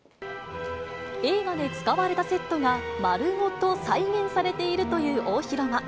映画で使われたセットが、丸ごと再現されているという大広間。